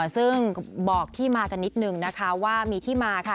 ซึ่งบอกที่มากันนิดนึงนะคะว่ามีที่มาค่ะ